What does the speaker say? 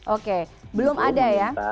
oke belum ada ya